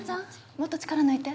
もっと力抜いて。